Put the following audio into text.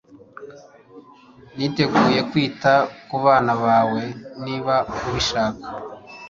Niteguye kwita ku bana bawe niba ubishaka